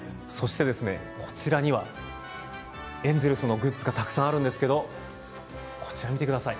こちらにはエンゼルスのグッズがたくさんあるんですけども見てください。